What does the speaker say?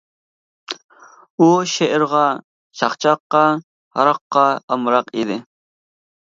ئۇ شېئىرغا، چاقچاققا، ھاراققا ئامراق ئىدى.